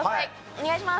お願いします。